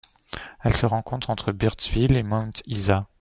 Elle se rencontre entre Birdsville et Mount Isa.